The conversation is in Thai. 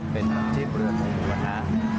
เป็นน้ำจิ้มเรือโรงกุปรระทาน